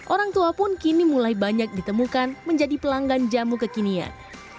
orang tua pun kini mulai banyak ditemukan menjadi pelanggan jamu kekinian